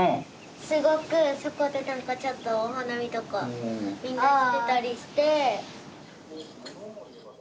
すごくそこで何かちょっとお花見とかみんなしてたりして。